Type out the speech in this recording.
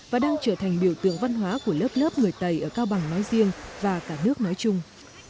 và đang trở thành biểu tượng văn hóa của lớp lớp người tây ở cao bằng nói riêng và cả nước nói chung